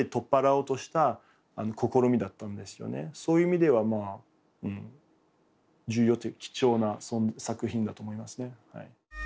そういう意味では重要というか貴重な作品だと思いますね。